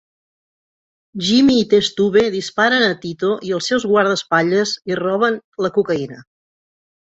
Jimmy i Test Tube disparen a Tito i els seus guardaespatlles i roben la cocaïna.